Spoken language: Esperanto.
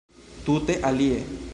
Tute alie.